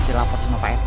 masih lapor sama pak rt